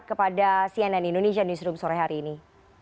kepada cnn indonesia newsroom sore hari ini